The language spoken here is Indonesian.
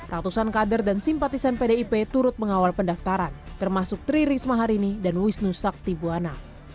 ratusan kader dan simpatisan pdip turut mengawal pendaftaran termasuk tri risma harini dan wisnu sakti buwana